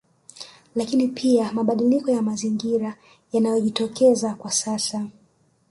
Lakini pia mabadiliko ya Mazingira yanayojitokeza kwa sasa